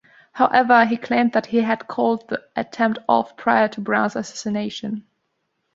However, he claimed that he had called the attempt off prior to Brown's assassination.